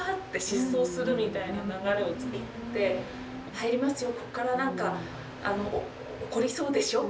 入りますよ